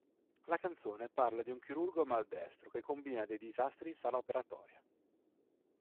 La canzone parla di un chirurgo maldestro che combina dei disastri in sala operatoria.